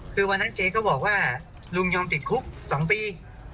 คือวันนั้นเจ๊ก็บอกว่าลุงยอมติดคุก๒ปี